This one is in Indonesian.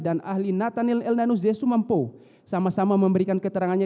dan ahli nathaniel elnanu zesumampo sama sama memberikan keterangannya